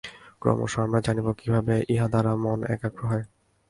ক্রমশ আমরা জানিব, কিভাবে ইহাদ্বারা মন একাগ্র হয়।